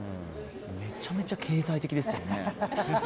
めちゃめちゃ経済的ですよね。